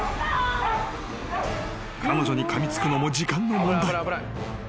［彼女にかみつくのも時間の問題］